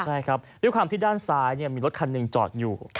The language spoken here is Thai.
ใช่ครับด้านซ้ายมีรถคันหนึ่งจอดอยู่